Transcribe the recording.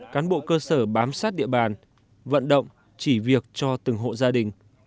cán bộ cơ sở bám sát địa bàn vận động chỉ việc cho từng hộ gia đình